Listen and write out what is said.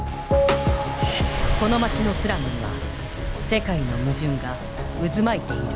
この街のスラムには世界の矛盾が渦巻いている。